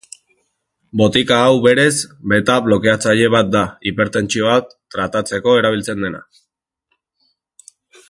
Botika hau berez, beta-blokeatzaile bat da, hipertentsioa tratatzeko erabiltzen dena.